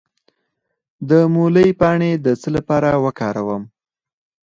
د مولی پاڼې د څه لپاره وکاروم؟